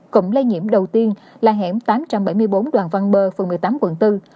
cụm lây nhiễm đầu tiên là hẻm tám trăm bảy mươi bốn đoàn văn bơ phường một mươi tám quận bốn